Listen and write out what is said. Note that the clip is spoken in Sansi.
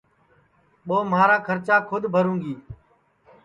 ٻو مہارا کھرچا کھود بھروںگی